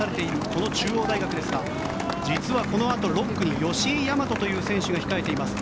この中央大学ですが実はこのあと６区に吉居大和という選手が控えています。